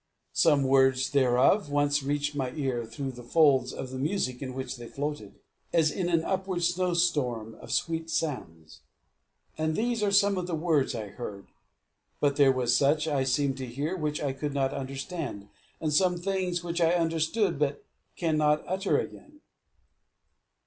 Some words thereof once reached my ear through the folds of the music in which they floated, as in an upward snowstorm of sweet sounds. And these are some of the words I heard but there was much I seemed to hear which I could not understand, and some things which I understood but cannot utter again.